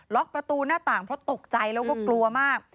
ประตูหน้าต่างเพราะตกใจแล้วก็กลัวมาก